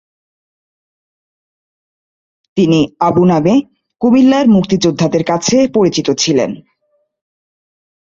তিনি "আবু" নামে কুমিল্লার মুক্তিযোদ্ধাদের কাছে পরিচিত ছিলেন।